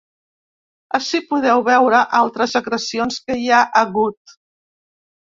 Ací podeu veure altres agressions que hi ha hagut.